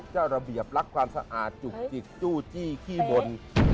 เจ้าระเบียบรักความสะอาดจุกจิกจู้จี้ขี้บน